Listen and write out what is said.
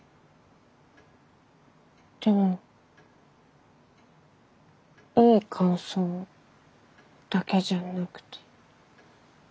でもいい感想だけじゃなくて。